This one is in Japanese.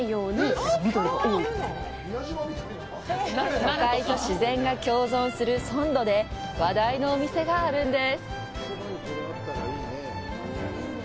都会と自然が共存する松島で、話題のお店があるんです。